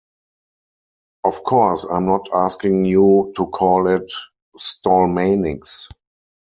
Of course, I'm not asking you to call it 'Stallmanix'.